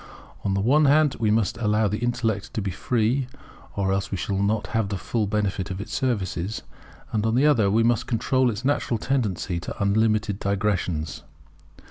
On the one hand we must allow the intellect to be free, or else we shall not have the full benefit of its services; and, on the other, we must control its natural tendency to unlimited digressions.